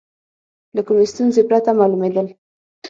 له کومې ستونزې پرته معلومېدل.